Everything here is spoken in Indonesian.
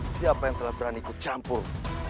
siapa yang telah berani kucampur